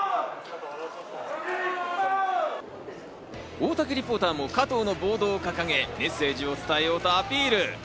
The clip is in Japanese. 大竹リポーターも加藤のボードを掲げメッセージを伝えようとアピール。